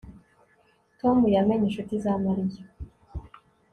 tom yamenye inshuti za mariya